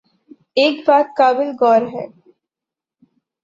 ایک بات قابل غور ہے۔